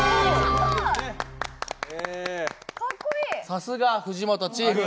さすが藤本チーフ。